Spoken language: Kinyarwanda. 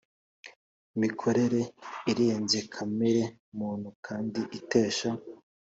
Mikorere irenze kamere muntu kandi itesha